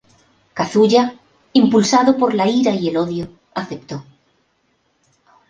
Kazuya, impulsado por la ira y el odio, aceptó.